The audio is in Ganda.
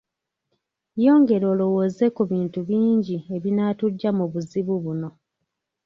Yongera olowooze ku bintu bingi ebinaatuggya mu buzibu buno